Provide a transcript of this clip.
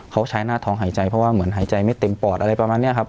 เขาใช้หน้าท้องหายใจเพราะว่าเหมือนหายใจไม่เต็มปอดอะไรประมาณนี้ครับ